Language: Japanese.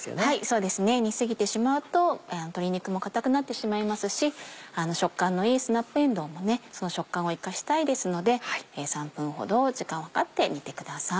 そうですね煮過ぎてしまうと鶏肉も硬くなってしまいますし食感のいいスナップえんどうも食感を生かしたいですので３分ほど時間を計って煮てください。